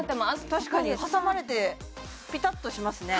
確かに挟まれてピタッとしますね